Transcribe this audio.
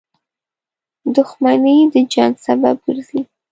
• دښمني د جنګ سبب ګرځي.